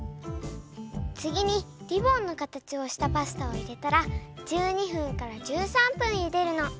つぎにリボンのかたちをしたパスタをいれたら１２ふんから１３ぷんゆでるの。